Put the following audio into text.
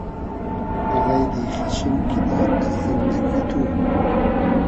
غݷدی خیچشیم کیدې از زیندئگی تو